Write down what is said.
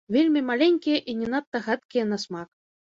Вельмі маленькія і не надта гадкія на смак.